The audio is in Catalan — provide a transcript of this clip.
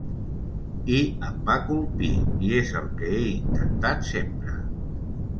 I em va colpir i és el que he intentat sempre.